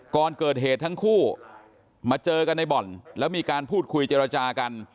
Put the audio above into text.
ก่อนเกิดเหตุทั้งคู่มาเจอกันในบ่อนแล้วมีการพูดคุยเจรจากัน